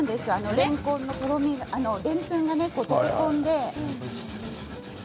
れんこんのでんぷんが溶け込んで。